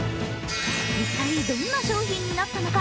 一体どんな商品になったのか。